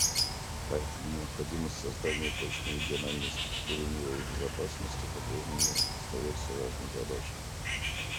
Поэтому необходимость создания прочной региональной структуры мира и безопасности попрежнему остается важной задачей.